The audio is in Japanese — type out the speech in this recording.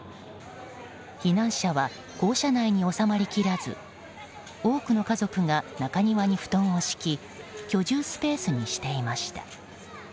避難者は校舎内に収まりきらず多くの家族が中庭に布団を敷き居住スペースにしていました。